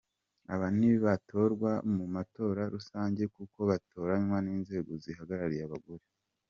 Aba ntibatorwa mu matora rusange kuko batoranywe n'inzego zihagarariye abagore.